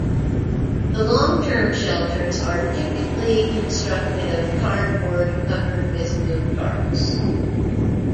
The long-term shelters are typically constructed of cardboard covered with blue tarps.